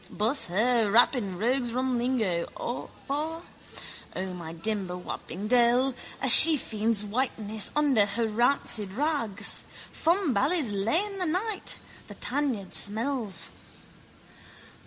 Buss her, wap in rogues' rum lingo, for, O, my dimber wapping dell! A shefiend's whiteness under her rancid rags. Fumbally's lane that night: the tanyard smells.